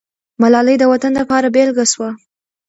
ملالۍ د وطن دپاره بېلګه سوه.